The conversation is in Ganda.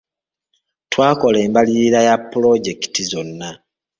Twakola embalirira ya pulojekiti zonna.